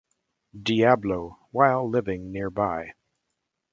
Diablo while living nearby.